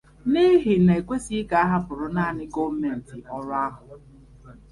n'ihi na ekwesighị ka a hapụrụ naanị gọọmenti ọrụ ahụ